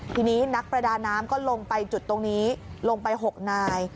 ทีนี้นักประดาน้ำก็ลงไปจุดตรงนี้ลงไป๖นาย